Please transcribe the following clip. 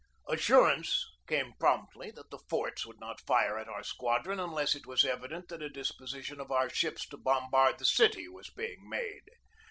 Assurance came promptly that the forts would not fire at our squadron unless it was evident that a disposition of our ships to bombard the city was being made.